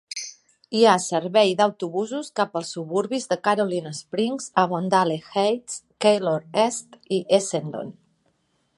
Hi has servei d'autobusos cap als suburbis de Caroline Springs, Avondale Heights, Keilor East i Essendon.